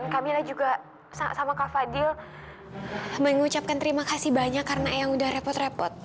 kamilah juga sama kak fadil mengucapkan terima kasih banyak karena eang udah repot repot